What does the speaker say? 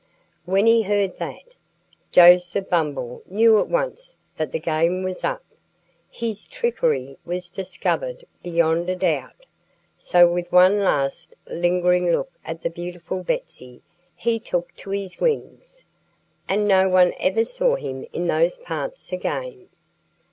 When he heard that, Joseph Bumble knew at once that the game was up. His trickery was discovered beyond a doubt. So with one last lingering look at the beautiful Betsy he took to his wings. And no one ever saw him in those parts again.